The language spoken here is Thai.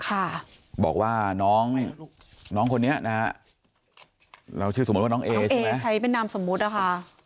ค่ะบอกว่าน้องน้องคนนี้นะฮะเราชื่อสมมติว่าน้องเอใช่ไหมน้องเอใช้เป็นนามสมมติอ่ะค่ะ